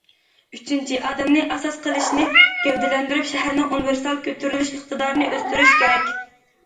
ئۈچىنچى، ئادەمنى ئاساس قىلىشنى گەۋدىلەندۈرۈپ، شەھەرنىڭ ئۇنىۋېرسال كۆتۈرۈش ئىقتىدارىنى ئۆستۈرۈش كېرەك.